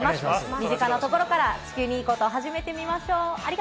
身近なところから地球にいいこと、始めてみましょう。